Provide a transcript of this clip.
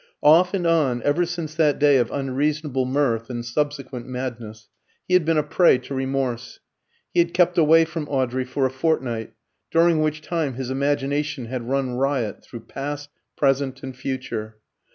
Off and on, ever since that day of unreasonable mirth and subsequent madness, he had been a prey to remorse. He had kept away from Audrey for a fortnight, during which time his imagination had run riot through past, present, and future.